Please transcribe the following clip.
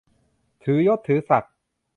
ถือยศถือศักดิ์